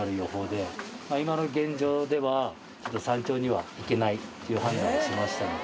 今の現状では山頂には行けないという判断をしましたんで。